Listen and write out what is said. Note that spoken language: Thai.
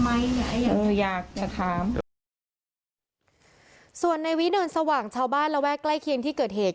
อยากจะถามส่วนในวิเนินสว่างชาวบ้านระแวกใกล้เคียงที่เกิดเหตุ